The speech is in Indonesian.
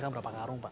berapa karung pak